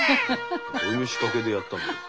どういう仕掛けでやったんだろう？